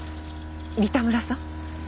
三田村さん？